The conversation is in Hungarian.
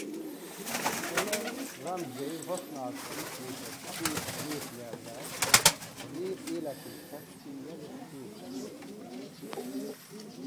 Csak Allan Ramsay használta ismét a skót népnyelvet a nép életét festő jeles költeményeiben.